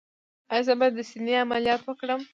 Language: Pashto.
ایا زه باید د سینې عملیات وکړم؟